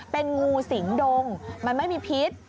เป็นงูสิงดงมันไม่มีพิษ